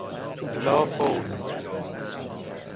لاحول